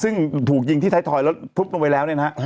ซึ่งถูกยิงที่ไทยทอยแล้วทุบลงไปแล้วเนี่ยนะฮะ